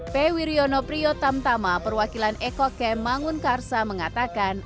p wiriono priotamtama perwakilan eko camp mangunkarsa mengatakan